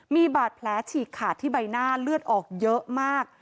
มีบาดแผลฉีกขาดที่ใบหน้าเลือดออกเยอะมาก